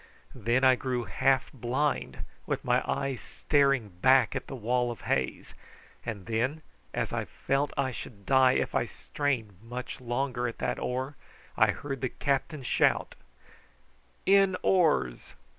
Then I grew half blind with my eyes staring back at the wall of haze; and then, as I felt that I should die if I strained much longer at that oar, I heard the captain shout: "In oars!"